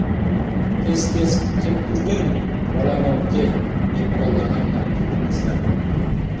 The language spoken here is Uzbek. Tez-tez kepturgin, bolani obke! - deb qoldi ammam ketimizdan.